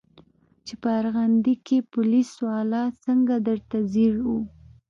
چې په ارغندې کښې پوليس والا څنګه درته ځير و.